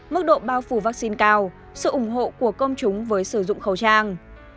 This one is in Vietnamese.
mức độ bao phủ vaccine cao sự ủng hộ của công chúng với sử dụng khẩu trang